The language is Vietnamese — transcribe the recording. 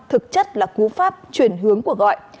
thực chất là cú pháp chuyển hướng của gọi